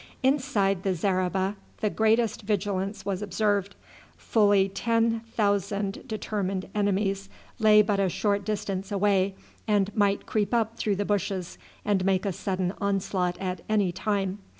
Inside the zareba the greatest vigilance was observed. Fully ten thousand determined enemies lay but a short distance away, and might creep up through the bushes and make a sudden onslaught at any time.